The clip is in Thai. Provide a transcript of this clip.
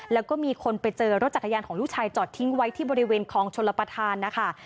แล้วก็มีคนไปเจอรถจักรยานของลูกชายจอดทิ้งไว้ที่บริเวณคลองชลประธานนะคะ